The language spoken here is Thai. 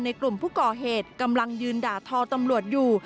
กลุ่มผู้ก่อเหตุกำลังยืนด่าทอตำรวจอยู่